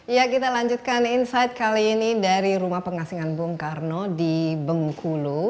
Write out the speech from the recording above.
ya kita lanjutkan insight kali ini dari rumah pengasingan bung karno di bengkulu